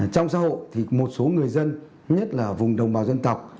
trong xã hội thì một số người dân nhất là vùng đồng bào dân tộc